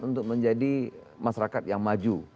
untuk menjadi masyarakat yang maju